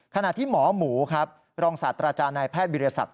ขณะที่หมอหมูรองศาสตร์อาจารย์นายแพทย์วิทยาศาสตร์